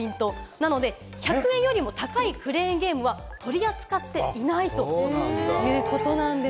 なので１００円よりも高いクレーンゲームは取り扱っていないということなんです。